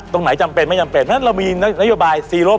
ตรงไหนจำเป็นไม่จำเป็น